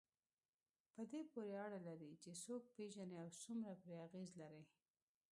په دې پورې اړه لري چې څوک پېژنئ او څومره پرې اغېز لرئ.